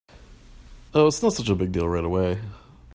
Oh, it’s not such a big deal right away.